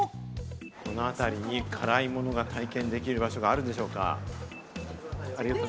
この辺りに辛いものが体験できる場所があるのでしょうか？